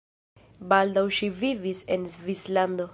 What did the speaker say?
Baldaŭ ŝi vivis en Svislando.